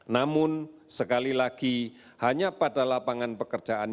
namun sekali lagi hanya pada lapangan pekerjaan